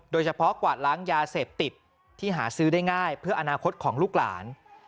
กวาดล้างยาเสพติดที่หาซื้อได้ง่ายเพื่ออนาคตของลูกหลาน